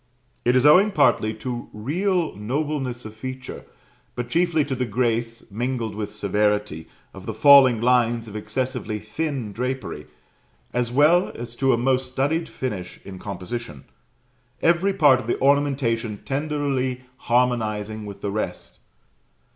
It is owing partly to real nobleness of feature, but chiefly to the grace, mingled with severity, of the falling lines of excessively thin drapery; as well as to a most studied finish in composition, every part of the ornamentation tenderly harmonizing with the rest.